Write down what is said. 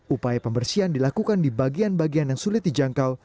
upaya pembersihan dilakukan di bagian bagian yang sulit dijangkau